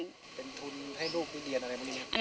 เป็นทุนให้ลูกเรียนอะไรบ้าง